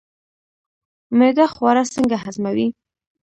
معده خواړه څنګه هضموي